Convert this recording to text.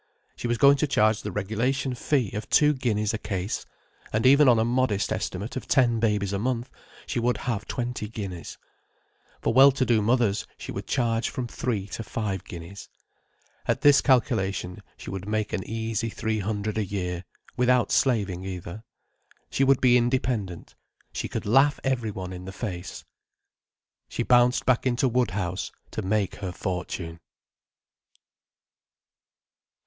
She was going to charge the regulation fee of two guineas a case: and even on a modest estimate of ten babies a month, she would have twenty guineas. For well to do mothers she would charge from three to five guineas. At this calculation she would make an easy three hundred a year, without slaving either. She would be independent, she could laugh every one in the face. She bounced back into Woodhouse to make her fortune.